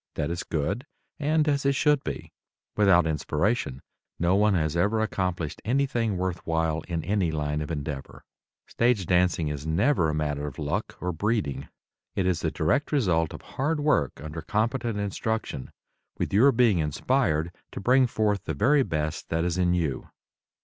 That is good and as it should be. Without inspiration no one has ever accomplished anything worth while in any line of endeavor. Stage dancing is never a matter of luck or breeding; it is the direct result of hard work under competent instruction, with your being inspired to bring forth the very best that is in you.